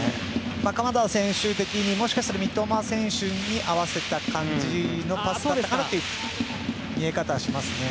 鎌田選手的にもしかしたら三笘選手に合わせた感じのパスだったかなという見え方でしたね。